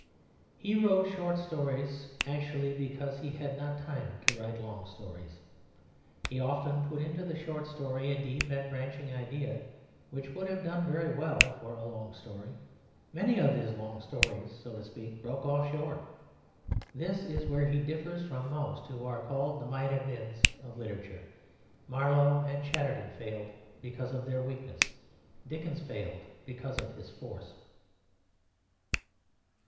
He wrote short stories actually because he had not time to write long stories. He often put into the short story a deep and branching idea which would have done very well for a long story; many of his long stories, so to speak, broke off short. This is where he differs from most who are called the Might have beens of literature. Marlowe and Chatterton failed because of their weakness. Dickens failed because of his force.